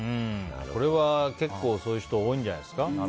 これは結構そういう人多いんじゃないですか。